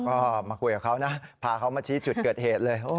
ก็มาคุยกับเขานะพาเขามาชี้จุดเกิดเหตุเลย